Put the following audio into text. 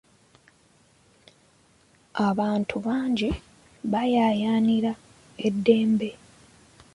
Abantu bangi bayayaanira eddembe.